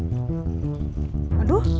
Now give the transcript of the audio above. ya apa tuh